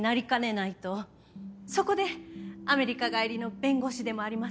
そこでアメリカ帰りの弁護士でもあります